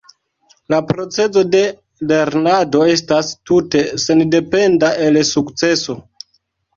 La procezo de lernado estas tute sendependa el sukceso.